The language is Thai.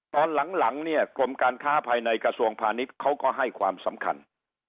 ตอนหลังเนี่ยกรมการค้าภายในกระทรวงพาณิชย์เขาก็ให้ความสำคัญ